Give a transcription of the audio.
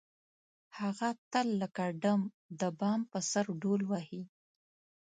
هغه تل لکه ډم د بام په سر ډول وهي.